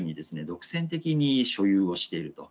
独占的に所有をしていると。